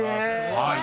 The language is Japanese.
［はい。